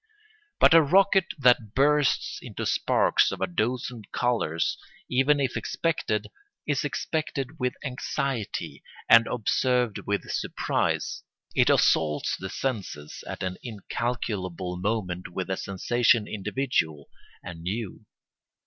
But a rocket that bursts into sparks of a dozen colours, even if expected, is expected with anxiety and observed with surprise; it assaults the senses at an incalculable moment with a sensation individual and new.